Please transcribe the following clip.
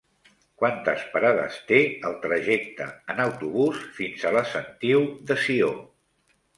Quantes parades té el trajecte en autobús fins a la Sentiu de Sió?